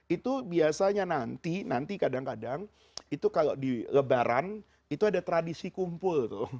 itu biasanya nanti nanti kadang kadang itu kalau di lebaran itu ada tradisi kumpul tuh